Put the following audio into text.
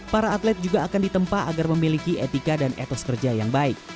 para atlet juga akan ditempa agar memiliki etika dan etos kerja yang baik